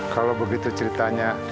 kalau begitu ceritanya